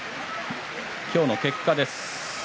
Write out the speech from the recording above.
今日の結果です。